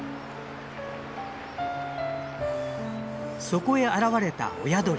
そこへ現れた親鳥。